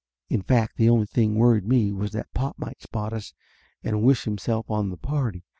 In fact the only thing worried me was that pop might spot us and wish himself on the party.